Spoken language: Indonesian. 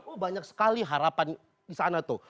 oh banyak sekali harapan di sana tuh